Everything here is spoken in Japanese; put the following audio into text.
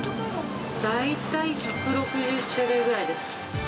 大体１６０種類ぐらいです。